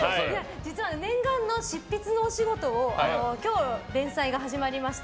実は念願の執筆のお仕事を今日連載が始まりまして。